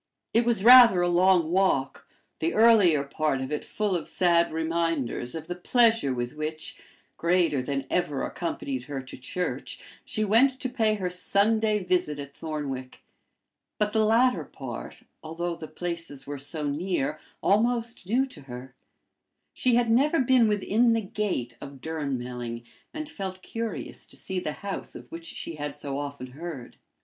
It was rather a long walk, the earlier part of it full of sad reminders of the pleasure with which, greater than ever accompanied her to church, she went to pay her Sunday visit at Thornwick; but the latter part, although the places were so near, almost new to her: she had never been within the gate of Durnmelling, and felt curious to see the house of which she had so often heard.